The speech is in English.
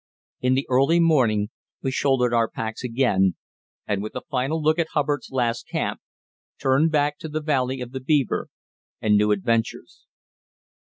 In early morning we shouldered our packs again, and with a final look at Hubbard's last camp, turned back to the valley of the Beaver and new adventures.